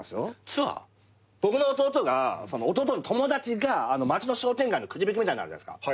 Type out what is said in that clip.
僕の弟が弟の友達が町の商店街のくじ引きみたいなのあるじゃないっすか。